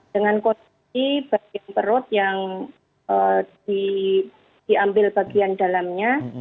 dengan kondisi bagian perut yang diambil bagian dalamnya